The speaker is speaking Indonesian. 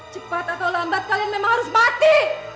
cepat atau lambat kalian memang harus mati